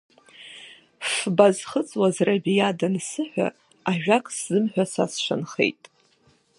Фба зхыҵуаз Рабиа дансыҳәа, ажәак сзымҳәо са сшанхеит.